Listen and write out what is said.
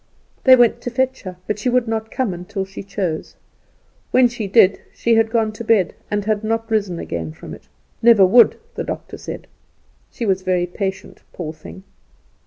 They went to fetch her, but she would not come until she chose. When she did, she had gone to bed and had not risen again from it; never would, the doctor said. She was very patient, poor thing.